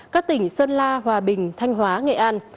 các tỉnh sơn la hòa bình thanh hóa nghệ an